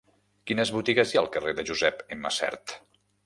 Quines botigues hi ha al carrer de Josep M. Sert?